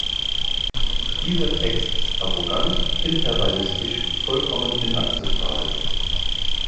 Dieser Text ist arrogant, imperialistisch und vollkommen inakzeptabel.